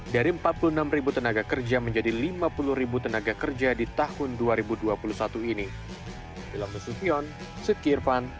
dari empat puluh enam tenaga kerja menjadi lima puluh ribu tenaga kerja di tahun dua ribu dua puluh satu ini